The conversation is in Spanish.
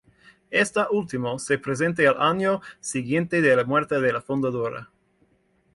Esta última, se presenta al año siguiente de la muerte de la fundadora.